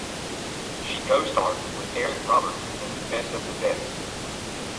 She co-starred with Eric Roberts in "Best of the Best".